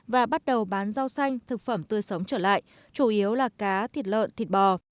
và bắt đầu bán rau xanh thực phẩm tươi sống trở lại chủ yếu là cá thịt lợn thịt bò